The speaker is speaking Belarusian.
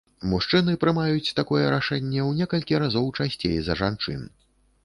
Мужчыны прымаюць такое рашэнне у некалькі разоў часцей за жанчын.